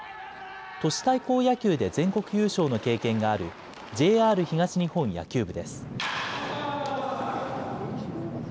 都市対抗野球で全国優勝の経験があるＪＲ東日本野球部です。